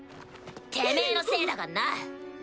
てめぇのせいだかんな。